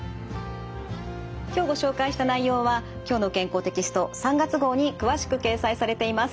今日ご紹介した内容は「きょうの健康」テキスト３月号に詳しく掲載されています。